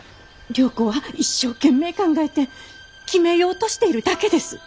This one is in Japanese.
良子は一生懸命考えて決めようとしているだけです。